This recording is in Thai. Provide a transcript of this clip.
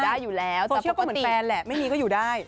โซเชียลก็เหมือนแฟนแหละไม่มีก็อยู่ได้